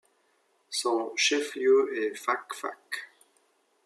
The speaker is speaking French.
Son chef-lieu est Fakfak.